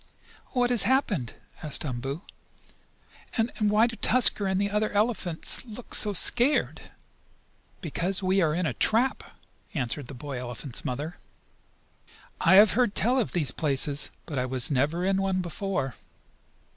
"What has happened?" asked Umboo. "And why do Tusker and the other big elephants look so scared?" "Because we are caught in a trap," answered the boy elephant's mother. "I have heard tell of these places, but I was never in one before."